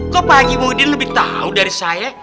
kok pak haji muhyiddin lebih tau dari saya